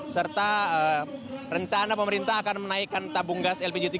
serta rencana pemerintah akan menaikkan tabung gas lpg tiga